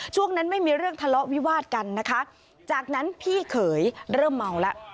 ช่วงนั้นไม่มีเรื่องทะเลาะวิวาดกันนะคะจากนั้นพี่เขยเริ่มเมาแล้ว